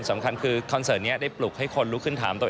สำคัญคือนี้ได้ปลุกให้คนรู้ขึ้นถามตัวเอง